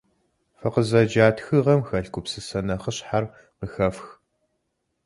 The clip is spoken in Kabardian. Фыкъызэджа тхыгъэм хэлъ гупсысэ нэхъыщхьэр къыхэфх.